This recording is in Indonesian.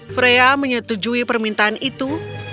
freya menyetujui permintaan itu